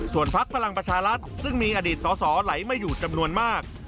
ส่วนพักพลังประชารัฐซึ่งมีอดีตสอสอไหลมาอยู่จำนวนมาก